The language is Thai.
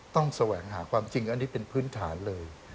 แสวงหาความจริงอันนี้เป็นพื้นฐานเลย